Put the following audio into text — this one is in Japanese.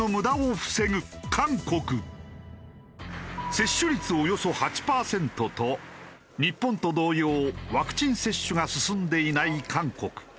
接種率およそ８パーセントと日本と同様ワクチン接種が進んでいない韓国。